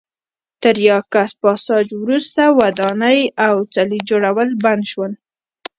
تر یاکس پاساج وروسته ودانۍ او څلي جوړول بند شول.